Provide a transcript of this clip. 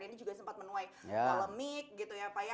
ini juga sempat menuai polemik gitu ya pak ya